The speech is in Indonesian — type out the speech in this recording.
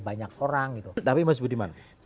banyak orang gitu tapi mas budiman